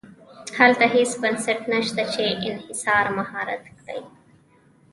هلته هېڅ بنسټ نه شته چې انحصار مهار کړي.